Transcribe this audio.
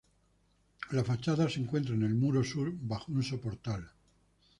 La fachada se encuentra en el muro sur, bajo un soportal.